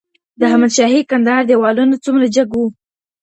د احمد شاهي کندهار دیوالونه څومره جګ وو؟